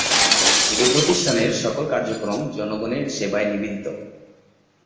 এ প্রতিষ্ঠানের সকল কার্যক্রম জনগণের সেবায় নিবেদিত।